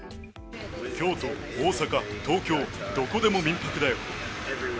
京都、大阪、東京、どこでも民泊だよ。